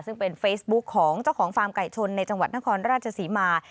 ซึ่งเป็นเฟซบุ๊คของเจ้าของฟาร์มไก่ชนในจังหวัดนครราชศรีมา